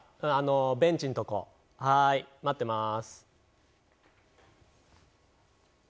ベンチのとこ、はい、待ってます。